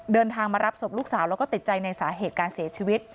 เดินทางมารับศพลูกสาวแล้วก็ติดใจในสาเหตุการเสียชีวิต